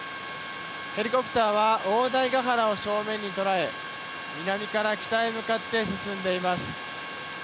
ヘリコプターは大台ヶ原を正面に捉え南から北へ向かって進んでいます。